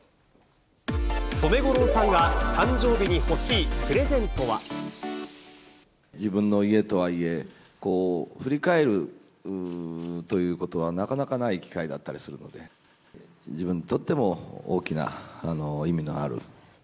染五郎さんが誕生日に欲しい自分の家とはいえ、振り返るということはなかなかない機会だったりするので、自分にとっても、大きな意味のある。